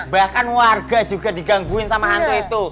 bahkan warga juga digangguin sama hantu itu